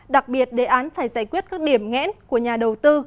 đặc biệt đề án phải giải quyết các điểm nghẽn của nhà đầu tư